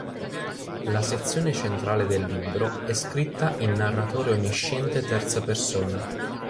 La sezione centrale del libro è scritta in narratore onnisciente terza persona.